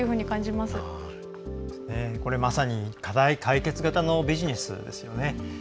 まさに課題解決型のビジネスですよね。